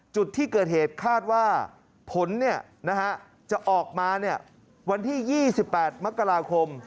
จุดที่เกิดเหตุคาดว่าผลเนี่ยนะฮะจะออกมาเนี่ยวันที่๒๘มกราคม